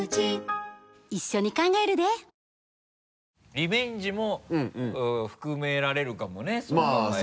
リベンジも含められるかもねそう考えたら。